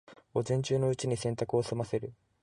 午前中のうちに洗濯を済ませる